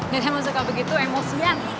gak ada yang suka begitu emosian